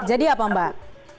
jadi apa mbak